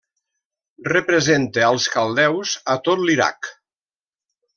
Representa als caldeus a tot l'Iraq.